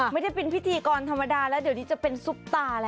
ไม่ได้เป็นพิธีกรธรรมดาแล้วเดี๋ยวนี้จะเป็นซุปตาแล้ว